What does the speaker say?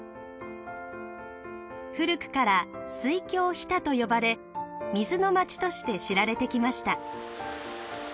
古くから水郷日田と呼ばれ水のまちとして知られてきました。